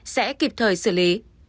sẽ kịp thời xử lý